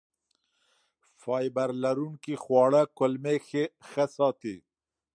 فایبر لرونکي خواړه کولمې ښه ساتي.